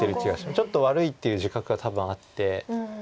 ちょっと悪いっていう自覚が多分あって。